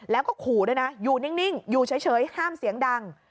แล้วก็ขู่ด้วยนะอยู่นิ่งอยู่เฉยห้ามเสียงดัง